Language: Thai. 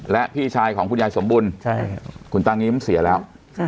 และพี่ชายของคุณยายสมบุญคุณตางิ้มเสียแล้ว